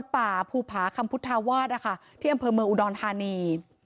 ป่าภูผาคำพุทธาวาสที่อำเภอเมืองอุดรธานี